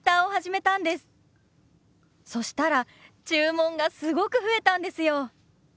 そしたら注文がすごく増えたんですよ。